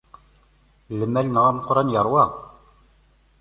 Lmal-nneɣ ameqqran iṛwa.